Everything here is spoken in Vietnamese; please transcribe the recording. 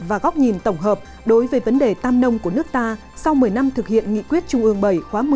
và góc nhìn tổng hợp đối với vấn đề tam nông của nước ta sau một mươi năm thực hiện nghị quyết trung ương bảy khóa một mươi